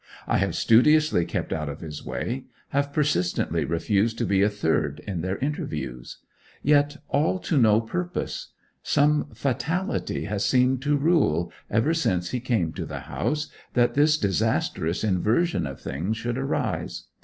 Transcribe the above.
I have studiously kept out of his way; have persistently refused to be a third in their interviews. Yet all to no purpose. Some fatality has seemed to rule, ever since he came to the house, that this disastrous inversion of things should arise.